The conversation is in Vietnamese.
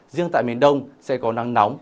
riêng tại miền đông sẽ có nắng nóng